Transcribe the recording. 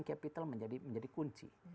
capital menjadi kunci